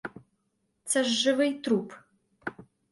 Це ж живий труп.